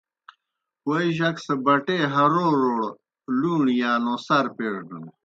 کوئے جک سہ بٹے ہِرَوڑوْڑ لُوݨی یا نوسار پیڙنَن۔